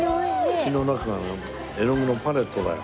口の中が絵の具のパレットだよ。